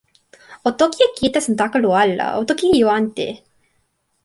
o toki e kijetesantakalu ala. o toki e ijo ante.